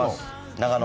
長野？